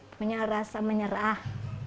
punya rasa menyerah